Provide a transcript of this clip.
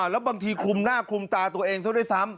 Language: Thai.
แล้วบางทีคุมหน้าคุมตาตัวเองเท่าไหร่ซ้ำ